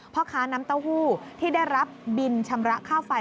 พ่อค้าน้ำเต้าหู้ที่ได้รับบินชำระค่าไฟ